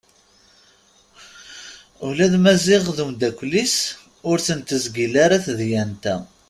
Ula d Maziɣ d umddakel-is ur ten-tezgil ara tedyant-a.